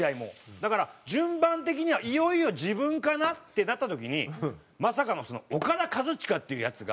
だから順番的にはいよいよ自分かな？ってなった時にまさかのオカダ・カズチカっていうヤツが。